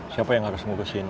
siapa yang harus mengurusin